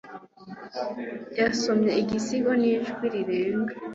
Yasomye igisigo n'ijwi rirenga.